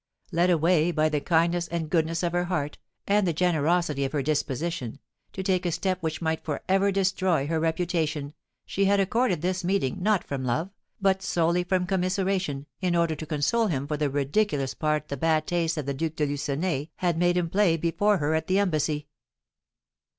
Led away by the kindness and goodness of her heart, and the generosity of her disposition, to take a step which might for ever destroy her reputation, she had accorded this meeting, not from love, but solely from commiseration, in order to console him for the ridiculous part the bad taste of the Duke de Lucenay had made him play before her at the embassy.